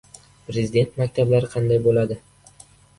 Prezident maktablari qanday bo‘ladi?